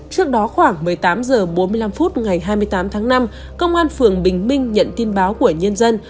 trước đó khoảng một mươi tám h bốn mươi năm phút ngày hai mươi tám tháng năm công an phường bình minh nhận tin báo của nhân dân